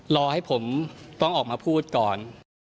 รอให้ผมต้องออกมาพูดก่อน